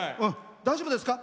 大丈夫ですか？